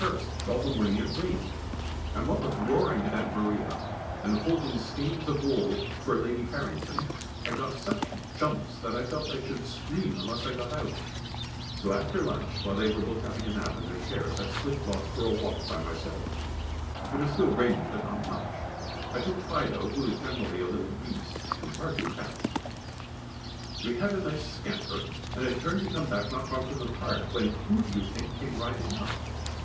First, all the morning it rained, and what with roaring at Aunt Maria and holding skeins of wool for Lady Farrington, I got such jumps that I felt I should scream unless I got out; so after lunch, while they were both having a nap in their chairs, I slipped off for a walk by myself it was still raining, but not much; I took Fido, who is generally a little beast, and far too fat. [Sidenote: Lord Valmond Reappears] We had had a nice scamper, and had turned to come back not far from the Park, when who do you think came riding up?